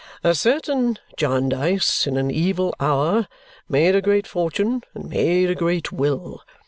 "A certain Jarndyce, in an evil hour, made a great fortune, and made a great will.